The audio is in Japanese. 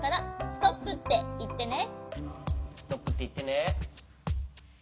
ストップっていってね。